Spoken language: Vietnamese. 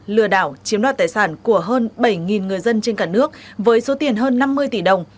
lừa đảo chiếm đoạt tài sản của hơn bảy người dân trên cả nước với số tiền hơn năm mươi tỷ đồng